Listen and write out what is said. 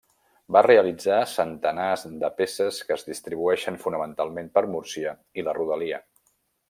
Va realitzar centenars de peces que es distribueixen fonamentalment per Múrcia i la rodalia.